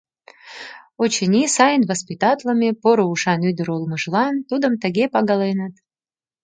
Очыни, сайын воспитатлыме, поро ушан ӱдыр улмыжлан тудым тыге пагаленыт.